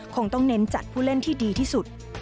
คงต้องเน้นจัดผู้เล่นที่ดีที่สุด